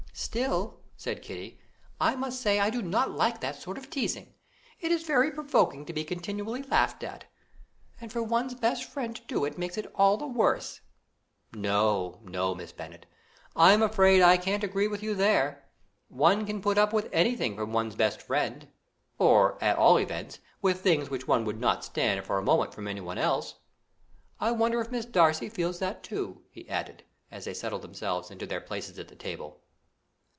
"Still," said Kitty, "I must say I do not like that sort of teasing; it is very provoking to be continually laughed at, and for one's best friend to do it makes it all the worse." "No, no, Miss Bennet, I am afraid I can't agree with you there; one can put up with anything from one's best friend, or at all events with things which one would not stand for a moment from anyone else. I wonder if Miss Darcy feels that too?" he added, as they settled themselves into their places at the table.